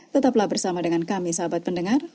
tetaplah bersama dengan kami sahabat pendengar